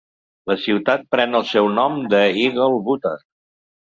La ciutat pren el seu nom de Eagle Butte.